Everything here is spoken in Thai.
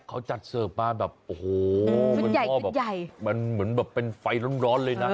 เขาจัดเสิร์ฟบ้านแบบโอ้โหมันเหมือนแบบเป็นไฟร้อนเลยนะ